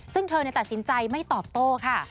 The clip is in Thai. ซึ่งเธอตัดสินใจไม่ตอบโต้ค่ะ